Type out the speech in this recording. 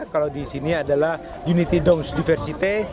kalau di sini adalah unity dongs diversite